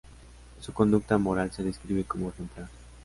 Su conducta moral se describe como ejemplar.